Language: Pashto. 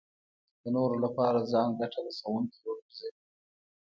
د نورو لپاره ځان ګټه رسوونکی وګرځوي.